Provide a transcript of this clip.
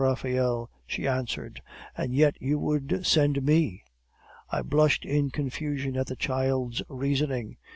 Raphael,' she answered, 'and yet you would send me!' "I blushed in confusion at the child's reasoning.